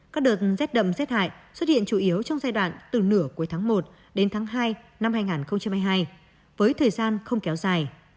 các đợt rét đậm rét hại xuất hiện chủ yếu trong giai đoạn từ nửa cuối tháng một đến tháng hai năm hai nghìn hai mươi hai với thời gian không kéo dài